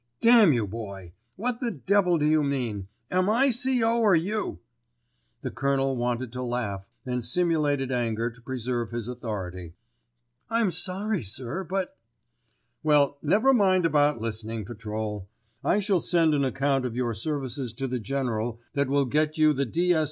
"Damn you, Boy, what the devil do you mean? Am I C.O. or you?" The Colonel wanted to laugh and simulated anger to preserve his authority. "I'm sorry, sir; but——" "Well, never mind about listening patrol. I shall send an account of your services to the General that will get you the D.S.